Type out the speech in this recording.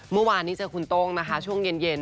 เมื่อวานนี้เจอคุณโต้งนะคะช่วงเย็น